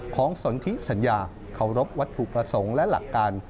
ของส่วนที่สัญญาเขารบวัตถุประสงค์และหลักการ